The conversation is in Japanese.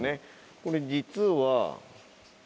これ実は。